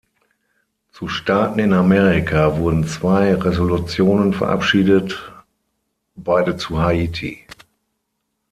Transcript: Zu Staaten in Amerika wurden zwei Resolutionen verabschiedet, beide zu Haiti.